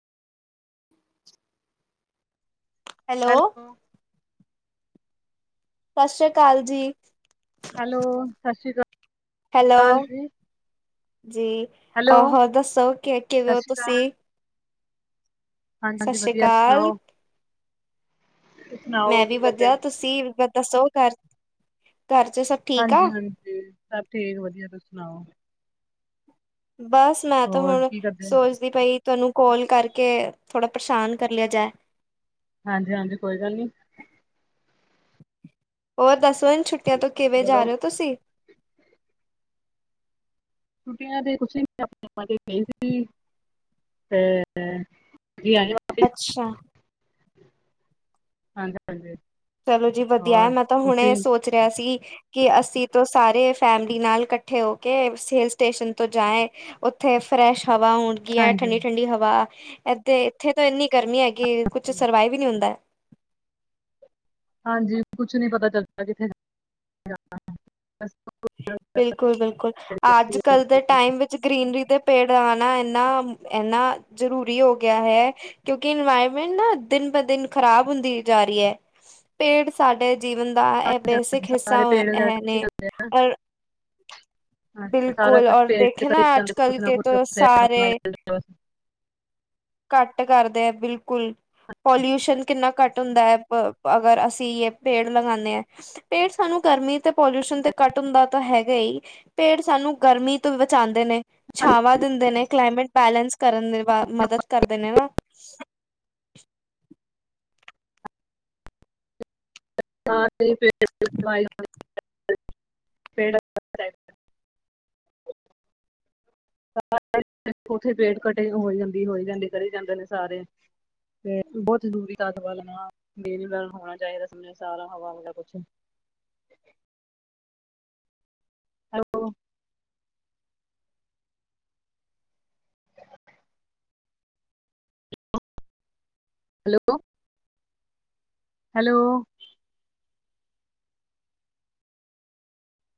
[unintelligible] Hello ਸਤਿ ਸ੍ਰੀ ਅਕਾਲ ਜੀ। ਹੈਲੋ ਸਤਿ ਸ੍ਰੀ ਹੈਲੋ ਅਕਾਲ ਜੀ, ਜੀ ਹੈਲੋ ਆ ਦੱਸੋ ਕਿ ਕਿਵੇਂ ਸਤਿ ਹੋ ਸ੍ਰੀ ਤੁਸੀਂ ਅਕਾਲ। ਸਤਿ ਹਾਂਜੀ-ਹਾਂਜੀ ਸ੍ਰੀ ਵਧੀਆ ਅਕਾਲ, ਸੁਣਾਓ? ਤੁਸੀਂ ਸੁਣਾਓ ਮੈਂ ਵੀ ਕੀ ਕਰਦੇ? ਵਧੀਆ ਤੁਸੀਂ ਦੱਸੋ ਘਰ ਘਰ ਚ ਸਭ ਠੀਕ ਆ? ਹਾਂਜੀ ਹਾਂਜੀ ਸਭ ਠੀਕ ਵਧੀਆ ਤੁਸੀ ਸੁਣਾਓ ਬਸ ਨਹਾ ਧੋ ਹੋਰ ਕੇ ਕੀ ਕਰਦੇ? ਸੋਚਦੀ ਪਈ ਸੀ। ਤੁਹਾਨੂੰ ਕੋਲ ਕਰਕੇ ਥੋੜ੍ਹਾ ਪਰੇਸ਼ਾਨ ਕਰ ਲਿਆ ਜਾਏ ਹਾਂਜੀ-ਹਾਂਜੀ ਕੋਈ ਗੱਲ ਨੀ। ਹੋਰ ਦੱਸੋ। ਭੈਣ ਛੁੱਟੀਆਂ ਤੋਂ ਕਿਵੇਂ ਜਾ ਬੋਲੋ ਰਹੇ ਹੋ ਤੁਸੀਂ ਛੁੱਟੀਆਂ ਚ ਕਿਤੇ ਨਹੀਂ ਬਸ ਪੇਕਿਆਂ ਤੇ ਗਈ ਸੀਗੀ ਮੈਂ। ਅੱਛਾ ਹਾਂਜੀ ਹਾਂਜੀ ਚਲੋ ਜੀ ਵਧੀਆ ਹੈ ਮੈਂ ਤਾਂ ਹੁਣੇ ਇਹ ਸੋਚ ਰਿਹਾ ਸੀ ਕਿ ਅਸੀਂ ਤੋਂ ਸਾਰੇ ਫੈਮਲੀ ਨਾਲ ਇਕੱਠੇ ਹੋ ਕੇ ਹਿਲ ਸਟੇਸ਼ਨ ਤੋਂ ਜਾਏ ਉੱਥੇ ਫਰੈਸ਼ ਹਵਾ ਆਉਂਦੀ ਹੈ ਹਾਂਜੀ, ਠੰਡੀ ਠੰਡੀ ਹਵਾ ਇਦੇ ਇੱਥੇ ਤਾਂ ਇੰਨੀ ਗਰਮੀ ਹੈਗੀ ਕੁੱਛ ਸਰਵਾਈਵ ਵੀ ਨ ਹੁੰਦਾ। ਹਾਂਜੀ ਕੁਛ ਨੀ ਪਤਾ ਚੱਲਦਾ ਕਿਥੇ ਬਿਲਕੁਲ-ਬਿਲਕੁਲ ਅੱਜ ਕੱਲ ਦੇ ਟਾਈਮ ਵਿੱਚ ਗਰੀਨਰੀ ਦੇ ਪੇੜ ਆਉਣਾ ਇਨਾ ਇਨਾ ਜ਼ਰੂਰੀ ਹੋ ਗਿਆ। ਗਿਆ ਹੈ, ਕਿਉਂਕਿ ਇਨਵਾਇਰਮੈਂਟ ਨਾ ਦਿਨ ਬ ਦਿਨ ਖ਼ਰਾਬ ਹੁੰਦੀ ਜਾ ਰਹੀ ਹੈ। ਪੇੜ ਸਾਡੇ ਜੀਵਨ ਦਾ ਇਹ ਬੇਸਿਕ ਹਿੱਸਾ ਸਾਰੇ ਪੇੜ ਵਗੈਰਾ ਇਹ ਕੱਟੀ ਨੇ। ਜਾਂਦੇ ਆ ਔਰ ਸਾਰਾ ਕੁਛ [unintelligible] ਕੁਛ ਨਾ ਕੁਛ [unintelligible] ਘੱਟ ਕਰਦੇ ਹੈ ਬਿਲਕੁਲ ਪੋਲਿਊਸ਼ਨ ਕਿੰਨਾ ਘੱਟ ਹੁੰਦਾ ਹੈ ਅਗਰ ਅਸੀਂ ਇਹ ਪੇੜ ਲਗਾਉਂਦੇ ਹਾਂ ਪੇੜ ਸਾਨੂੰ ਗਰਮੀ ਤੇ ਪੋਲਿਊਸ਼ਨ ਤੇ ਕੱਟ ਹੁੰਦਾ ਤਾਂ ਹੈਗਾ ਹੀ ਪੇੜ ਸਾਨੂੰ ਗਰਮੀ ਤੋਂ ਬਚਾਉਂਦੇ ਨੇ ਛਾਵਾਂ ਦਿੰਦੇ ਨੇ ਕਲਾਈਮੇਟ ਬੈਲੇਂਸ ਕਰਨ ਦੀ ਮਦਦ ਕਰਦੇ ਨੇ ਨਾ। ਹਾ ਪਵਾਈ ਤੇਰਾ ਪਤਾ ਐ [unintelligible] ਅ ਅ ਅ [unintelligible] ਉੱਥੇ ਪੇਟ ਕਟੇ ਹੋਈ ਜਾਂਦੀ ਹੋਈ ਜਾਂਦੀ ਕਰੀ ਜਾਂਦੇ ਨੇ ਸਾਰੇ ਤੇ ਬਹੁਤ ਦੂਰੀ ਤਤ ਵਲ ਹੋਣਾ ਮੇਰੀ ਦਾ ਹੋਣਾ ਚਾਹੀਦਾ ਸਮਾ ਸਾਰਾ ਹਵਾ -ਹਵਾ ਕੁਛ ਐ ਐਲੋ [unintelligible] ਹੈਲ [unintelligible] ਹੈਲੱਲੋ ਹੈਲੋ